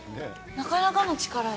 なかなかの力よ。